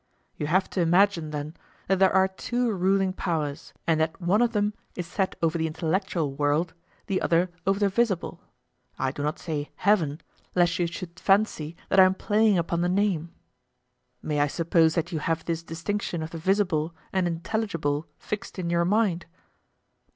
You have to imagine, then, that there are two ruling powers, and that one of them is set over the intellectual world, the other over the visible. I do not say heaven, lest you should fancy that I am playing upon the name ('ourhanoz, orhatoz'). May I suppose that you have this distinction of the visible and intelligible fixed in your mind?